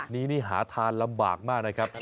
นี่นี่หาทานลำบากมากนะครับ